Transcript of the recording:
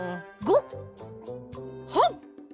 はっ！